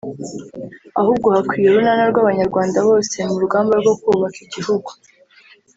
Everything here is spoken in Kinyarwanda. ahubwo hakwiye urunana rw’Abanyarwanda bose mu rugamba rwo kubaka igihugu